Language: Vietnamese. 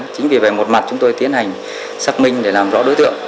chính vì vậy một mặt chúng tôi tiến hành xác minh để làm rõ đối tượng